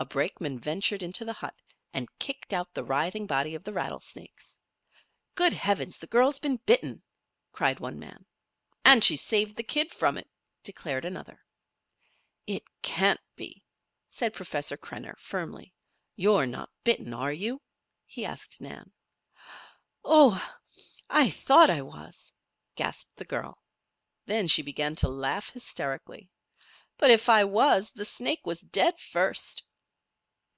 A brakeman ventured into the hut and kicked out the writhing body of the rattlesnake. "Great heavens! the girl's been bitten!" cried one man. "And she saved the kid from it," declared another. "It can't be," said Professor Krenner, firmly. "You're not bitten, are you?" he asked Nan. "Oh! I I thought I was," gasped the girl. Then she began to laugh hysterically. "But if I was the snake was dead first."